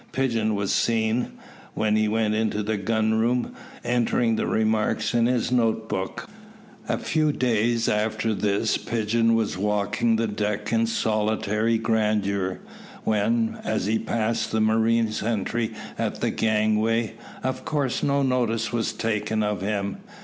Pigeon was seen, when he went into the gun room, entering the remark in his notebook. A few days after this Pigeon was walking the deck in solitary grandeur, when, as he passed the marine sentry at the gangway, of course no notice was taken of him.